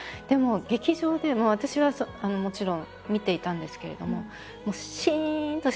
でも劇場でも私はもちろん見ていたんですけれどももうだから本当に。